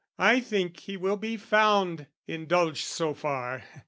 I think he will be found (indulge so far!)